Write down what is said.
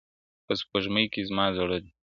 په سپورږمۍ كي زمــــــــــا زړه دى